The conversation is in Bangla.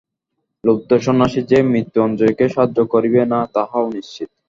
লুব্ধ সন্ন্যাসী যে মৃত্যুঞ্জয়কে সাহায্য করিবে না তাহাও নিশ্চিত।